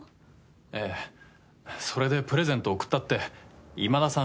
えぇそれでプレゼント贈ったって今田さん